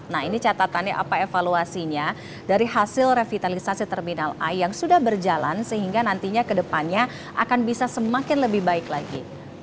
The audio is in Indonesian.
nah ini catatannya apa evaluasinya dari hasil revitalisasi terminal a yang sudah berjalan sehingga nantinya ke depannya akan bisa semakin lebih baik lagi